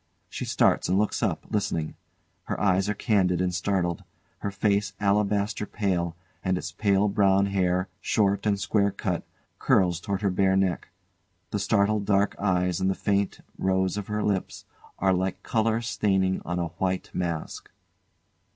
She starts and looks up, listening. Her eyes are candid and startled, her face alabaster pale, and its pale brown hair, short and square cut, curls towards her bare neck. The startled dark eyes and the faint rose of her lips are like colour staining on a white mask.